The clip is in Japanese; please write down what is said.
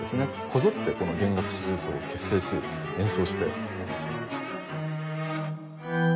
こぞってこの弦楽四重奏を結成し演奏して。